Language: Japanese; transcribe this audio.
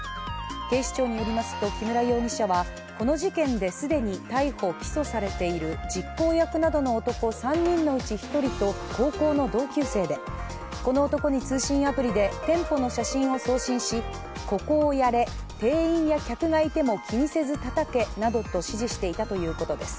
警視庁によりますと木村容疑者はこの事件で既に逮捕・起訴されている実行役などの男３人のうち１人と高校の同級生でこの男に通信アプリで店舗の写真を送信しここをやれ、店員や客がいても気にせずたたけなどと指示していたということです。